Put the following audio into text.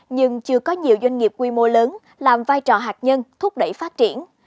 nhưng chưa có nhiều doanh nghiệp quy mô lớn làm vai trò hạt nhân thúc đẩy phát triển